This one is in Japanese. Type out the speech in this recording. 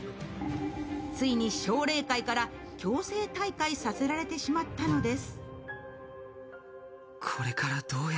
ついに奨励会から強制退会させられてしまったのです。